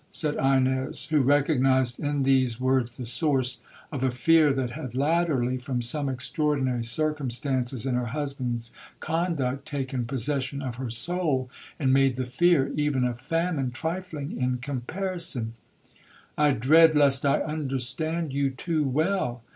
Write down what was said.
said Ines, who recognized in these words the source of a fear that had latterly, from some extraordinary circumstances in her husband's conduct, taken possession of her soul, and made the fear even of famine trifling in comparison,—'I dread lest I understand you too well.